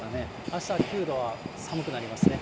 あしたは９度は寒くなりますね。